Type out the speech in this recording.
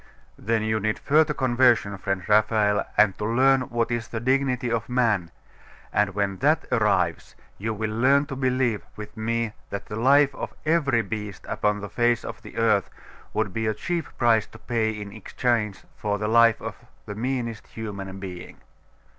'Then you need a further conversion, friend Raphael, and to learn what is the dignity of man; and when that arrives, you will learn to believe, with me, that the life of every beast upon the face of the earth would be a cheap price to pay in exchange for the life of the meanest human being.